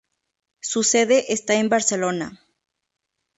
Su sede está en Barcelona.